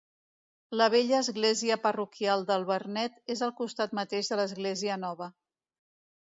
La vella església parroquial del Vernet és al costat mateix de l'església nova.